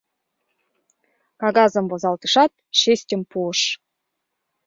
Кагазым возалтышат, честьым пуыш.